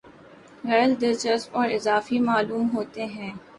غیر دلچسپ اور اضافی معلوم ہوتے ہیں